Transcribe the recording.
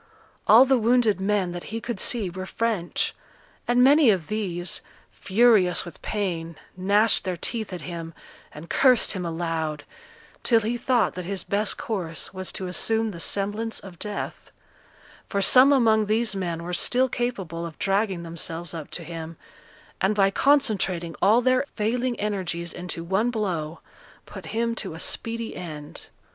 All the wounded men that he could see were French; and many of these, furious with pain, gnashed their teeth at him, and cursed him aloud, till he thought that his best course was to assume the semblance of death; for some among these men were still capable of dragging themselves up to him, and by concentrating all their failing energies into one blow, put him to a speedy end.